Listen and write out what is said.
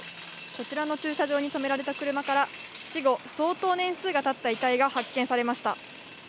こちらの駐車場に止められた車から、死後相当年数がたった遺体が発見されました。